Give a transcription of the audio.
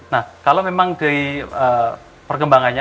nah kalau memang dari perkembangannya